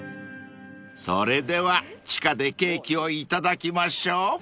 ［それでは地下でケーキを頂きましょう］